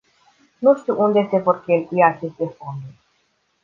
Nu știm unde se vor cheltui aceste fonduri.